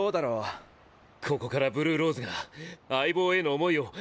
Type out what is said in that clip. ここからブルーローズが「相棒への思い」を熱く語るんだ。